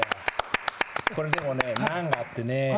これでもね難があってね。